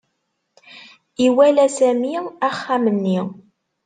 Iwala Sami axxam-nni.